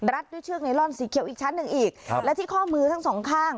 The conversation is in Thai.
ด้วยเชือกไนลอนสีเขียวอีกชั้นหนึ่งอีกครับและที่ข้อมือทั้งสองข้าง